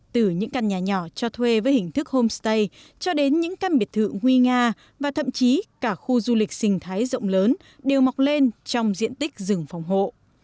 từ những căn nhà nhỏ cho thuê với hình thức homestay cho đến những căn biệt thự huy nga và thậm chí cả khu du lịch sinh thái rộng lớn đều mọc lên trong diện tích rừng phòng hộ